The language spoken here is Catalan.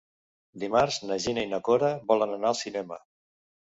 Dimarts na Gina i na Cora volen anar al cinema.